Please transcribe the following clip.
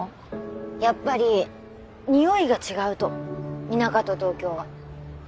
やっぱり匂いが違うと田舎と東京は。